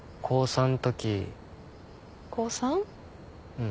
うん。